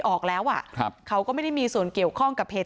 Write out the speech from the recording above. พร้อมด้วยผลตำรวจเอกนรัฐสวิตนันอธิบดีกรมราชทัน